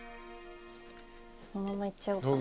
そのままいっちゃおうかな。